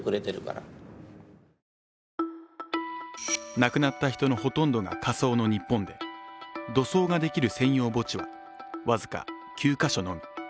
亡くなった人のほとんどが火葬の日本で、土葬ができる専用墓地は僅か９か所のみ。